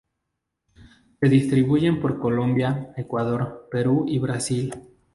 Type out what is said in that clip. Se distribuyen por Colombia, Ecuador, Perú y Brasil.